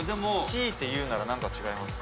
強いて言うなら何か違います？